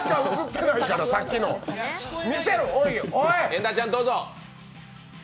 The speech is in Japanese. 遠田ちゃん、どうぞ。